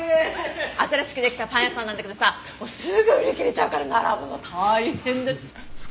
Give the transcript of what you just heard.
新しく出来たパン屋さんなんだけどさもうすぐ売り切れちゃうから並ぶの大変だっ。